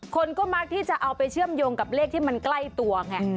คนก็มักที่จะเอาไปเชื่อมโยงกับเลขที่มันใกล้ตัวไง